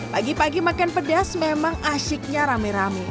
pagi pagi makan pedas memang asyiknya rame rame